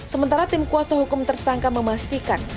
sementara tim kuasa hukum tersangka memastikan